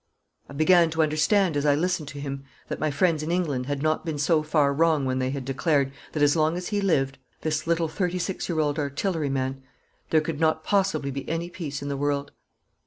I began to understand as I listened to him that my friends in England had not been so far wrong when they had declared that as long as he lived this little thirty six year old artilleryman there could not possibly be any peace in the world.